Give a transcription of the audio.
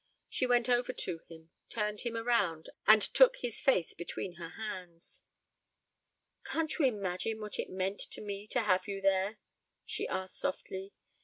She went over to him, turned him around, and took his face between her hands. "Can't you imagine what it meant to me to have you there?" she asked softly.